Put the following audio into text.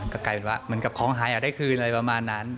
ก็กลายเป็นว่าเหมือนกับของหายอยากได้คืนอะไรประมาณนั้น